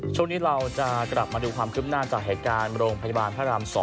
ช่วงนี้เราจะกลับมาดูความคืบหน้าจากเหตุการณ์โรงพยาบาลพระราม๒